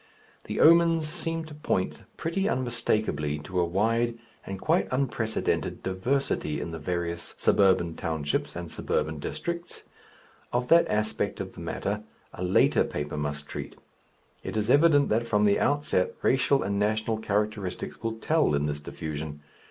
The omens seem to point pretty unmistakably to a wide and quite unprecedented diversity in the various suburban townships and suburban districts. Of that aspect of the matter a later paper must treat. It is evident that from the outset racial and national characteristics will tell in this diffusion.